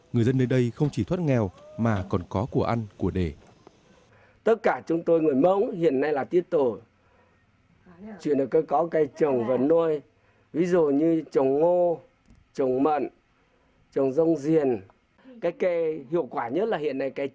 người dân nơi đây không chỉ thoát nghèo mà còn có của ăn của để